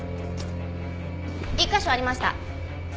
１カ所ありました。